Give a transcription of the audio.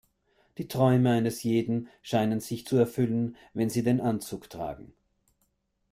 Die Träume eines jeden scheinen sich zu erfüllen wenn sie den Anzug tragen.